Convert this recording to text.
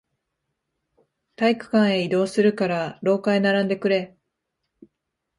体育館へ移動するから、廊下へ並んでくれ。